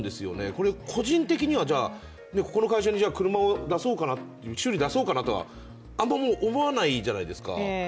これ、個人的には、ここの会社に車を修理だそうかなと、あんまり思わないじゃないですか。